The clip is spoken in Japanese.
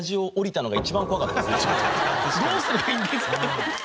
どうすればいいんですか。